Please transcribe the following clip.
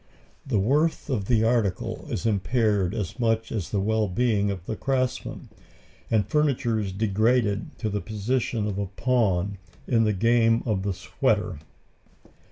The worth of the article is impaired as much as the well being of the craftsman, and furniture is degraded to the position of a pawn in the game of the sweater.